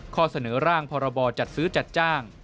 ข้อเสนอร่างพรบจัดซื้อจัดจ้าง